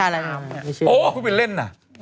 อ่ะอ่ะคุณเป็นเล่นน่ะ